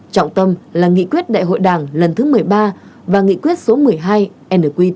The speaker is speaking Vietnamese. trọng tâm là nghị quyết đại hội đảng lần thứ một mươi ba và nghị quyết số một mươi hai nqt